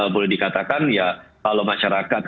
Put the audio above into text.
boleh dikatakan ya kalau masyarakat